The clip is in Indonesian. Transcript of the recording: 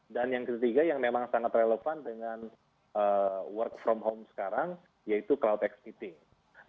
yang ketiga yang memang sangat relevan dengan work from home sekarang yaitu cloudx meeting